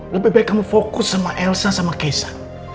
lebih baik kamu fokus sama elsa sama kesa